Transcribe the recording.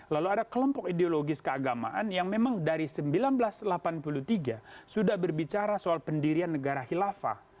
lalu ada kelompok ideologis keagamaan yang memang dari seribu sembilan ratus delapan puluh tiga sudah berbicara soal pendirian negara khilafah